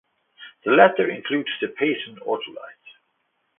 The latter includes the Payson Ophiolite.